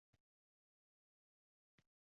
— O‘zgacha deysanmi?